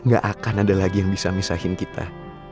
gak akan ada lagi yang bisa misahin kita